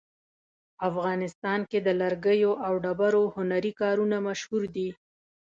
افغانستان کې د لرګیو او ډبرو هنري کارونه مشهور دي